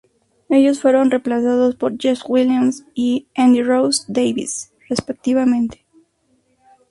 Ellos fueron reemplazados por Jeff Williams y Andy Rosser-Davies, respectivamente.